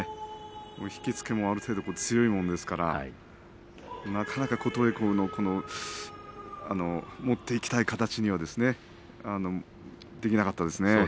引き付けもある程度強いもんですからなかなか琴恵光が持っていきたい形にはなりませんでした。